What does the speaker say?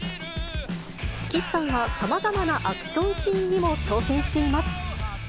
岸さんはさまざまなアクションシーンにも挑戦しています。